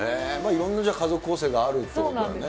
いろんな家族構成があるということなんだね。